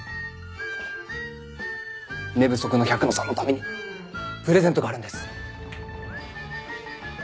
寝不足の百野さんのためにプレゼントがあるんです。